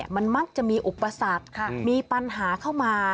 มันมักจะมีอุปสรรคมีปัญหาเข้ามา